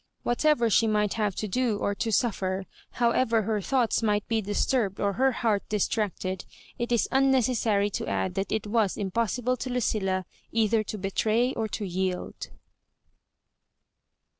Whatever she might have to do or to suffer — however her thoughts might be disturbed or her heart distracted — it is unne cessary to add that it was impossible to Lucilla either to betray or to yield.